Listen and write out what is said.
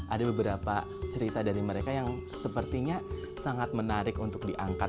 ada beberapa cerita dari mereka yang sepertinya sangat menarik untuk diangkat